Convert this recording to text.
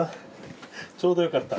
ちょうどよかった。